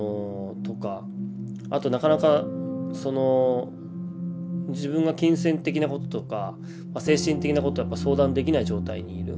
あとなかなかその自分が金銭的なこととか精神的なことは相談できない状態にいる。